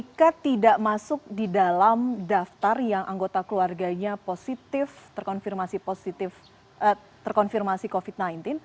jika tidak masuk di dalam daftar yang anggota keluarganya positif terkonfirmasi positif terkonfirmasi covid sembilan belas